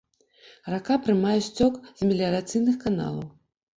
Рака прымае сцёк з меліярацыйных каналаў.